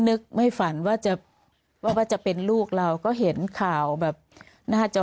นึกไม่ฝันว่าจะว่าจะเป็นลูกเราก็เห็นข่าวแบบหน้าจอ